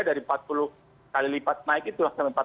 dari empat puluh kali lipat naik itu empat ratus